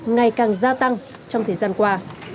ngày càng gia tăng trong thời gian qua